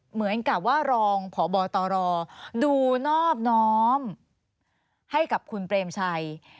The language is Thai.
เหมือนกับว่ารองพบตรดูนอบน้อมให้กับคุณเปรมชัย